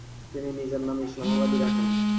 তিনি নিজের নাম ইসলামাবাদী রাখেন।